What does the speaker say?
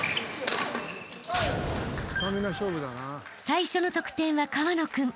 ［最初の得点は川野君。